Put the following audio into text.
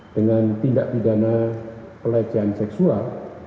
dengan tindak pidana pelecehan seksual